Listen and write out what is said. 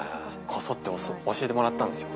こそっと教えてもらったんですよ。